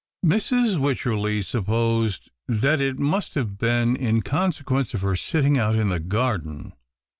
Mrs.Wycherley supposed that it must have been in consequence of her sitting out in the garden.